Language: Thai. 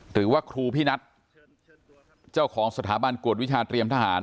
หรือว่าครูพี่นัทเจ้าของสถาบันกวดวิชาเตรียมทหาร